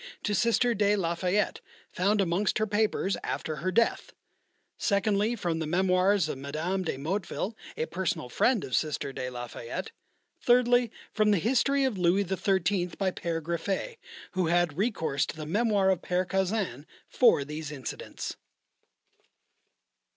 to Sister de la Fayette, found amongst her papers after her death; secondly, from the memoirs of Mme. de Motteville, a personal friend of Sister de la Fayette; thirdly, from the History of Louis XIII., by P. Griffet, who had recourse to the memoir of Père Caussin for these incidents.